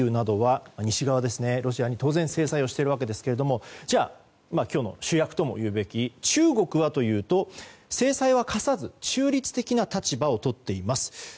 当然、ロシアに制裁をしているわけですが今日の主役ともいえる中国はというと制裁は科さず中立的な立場をとっています。